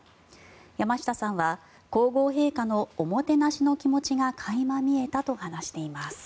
山下さんは皇后陛下のおもてなしの気持ちが垣間見えたと話しています。